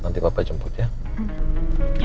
nanti papa jemput ya